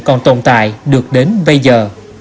còn tồn tại được đến bây giờ